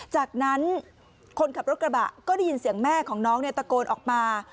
จากนั้นคนขับรถกระบะก็ได้ยินเสียงแม่ของน้องตะโกนออกมา